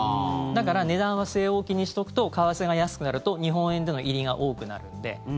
だから値段は据え置きにしとくと為替が安くなると日本円での入りが多くなるので。